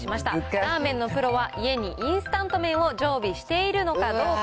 ラーメンのプロは家にインスタント麺を常備しているのかどうか。